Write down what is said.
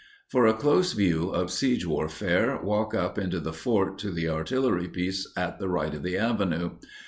For a close view of siege warfare, walk up into the fort, to the artillery piece at the right of the avenue.